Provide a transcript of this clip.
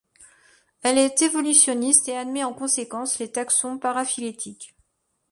Elle est évolutionniste et admet en conséquence les taxons paraphylétiques.